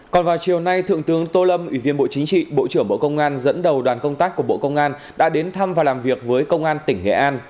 còn vào chiều nay thượng tướng tô lâm ủy viên bộ chính trị bộ trưởng bộ công an dẫn đầu đoàn công tác của bộ công an đã đến thăm và làm việc với công an tỉnh nghệ an